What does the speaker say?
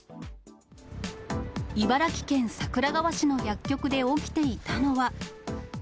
茨城県桜川市の薬局で起きていたのは。